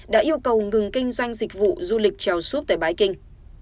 đã yêu cầu ngừng kinh doanh dịch vụ du lịch trèo súp tại bãi kinh